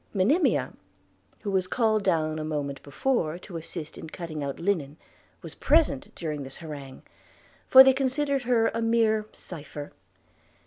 Monimia, who was called down a moment before to assist in cutting out linen, was present during this harangue, for they considered her a mere cypher.